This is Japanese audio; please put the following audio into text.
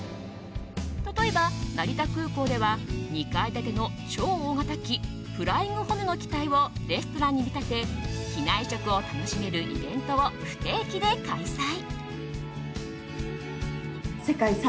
例えば、成田空港では２階建ての超大型機フライングホヌの機体をレストランに見立て機内食を楽しめるイベントを不定期で開催。